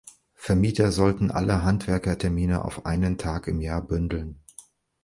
Vermieter sollten alle Handwerkertermine auf einen Tag im Jahr bündeln.